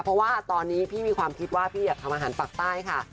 เพราะว่าตอนนี้พี่มีความคิดว่าพี่อยากทำอาหารปากใต้ค่ะ